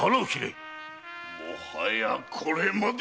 もはやこれまで！